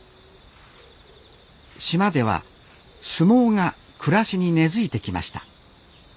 島では相撲が暮らしに根づいてきました。